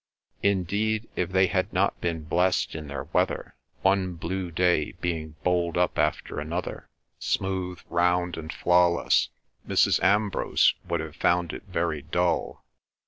Indeed if they had not been blessed in their weather, one blue day being bowled up after another, smooth, round, and flawless, Mrs. Ambrose would have found it very dull.